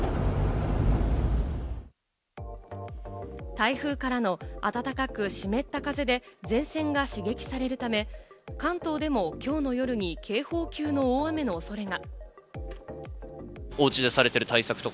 台風からの暖かく湿った風で前線が刺激されるため、関東でもきょうの夜に警報級の大雨の恐れが。